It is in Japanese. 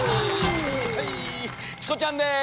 チコちゃんです